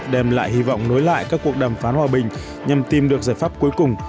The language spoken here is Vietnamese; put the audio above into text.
đem lại hy vọng nối lại các cuộc đàm phán hòa bình nhằm tìm được giải pháp cuối cùng